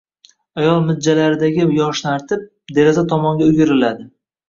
Ayol mijjalaridagi yoshni artib, deraza tomonga o`giriladi